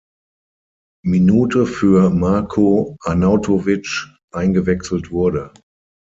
Minute für Marko Arnautović eingewechselt wurde.